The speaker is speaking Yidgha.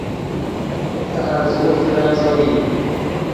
سے ہرزوغ کرن زو ڤئیم